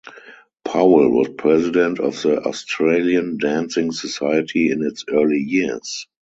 Powell was president of the Australian Dancing Society in its early years.